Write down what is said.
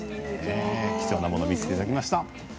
貴重なものを見せていただきました。